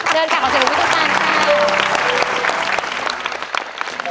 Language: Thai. เดินขังขอเสียงของคุณตานค่ะ